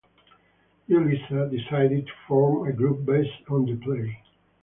Julissa decided to form a group based on the play.